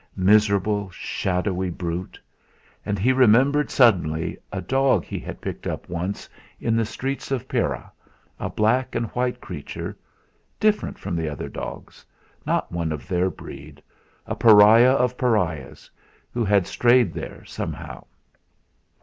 Miserable, shadowy brute! And he remembered suddenly a dog he had picked up once in the streets of Pera, a black and white creature different from the other dogs, not one of their breed, a pariah of pariahs, who had strayed there somehow.